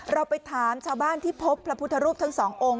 เราไปถามชาวบ้านที่พบพระพุทธรูปทั้งสององค์